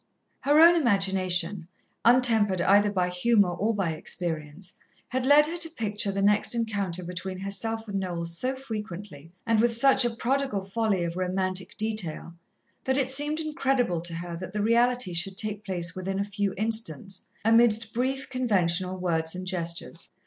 Her own imagination, untempered either by humour or by experience, had led her to picture the next encounter between herself and Noel so frequently, and with such a prodigal folly of romantic detail, that it seemed incredible to her that the reality should take place within a few instants, amidst brief, conventional words and gestures.